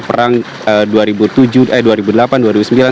perang dua ribu tujuh eh dua ribu delapan